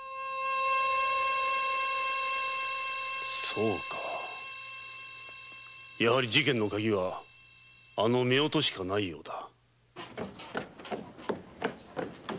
そうかやはり事件のカギはあの夫婦しかないようだ。